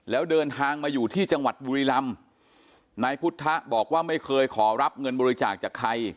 แล้วเดินทางมาอยู่ที่จังหวัดบุรีลำนายพุทธบอกว่าไม่เคยขอรับเงินบริจาคจากใคร